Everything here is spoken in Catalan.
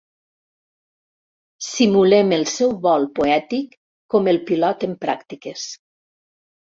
Simulem el seu vol poètic com el pilot en pràctiques.